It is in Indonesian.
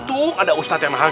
tuh ada ustadz yang nahan